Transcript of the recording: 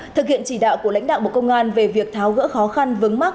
thực hiện chỉ đạo của lãnh đạo bộ công an về việc tháo gỡ khó khăn vướng mắt